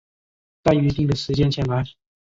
在约定的时间前来